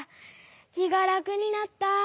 きがらくになった。